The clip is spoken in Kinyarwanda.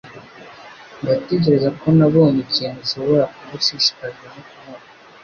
Ndatekereza ko nabonye ikintu ushobora kuba ushishikajwe no kubona.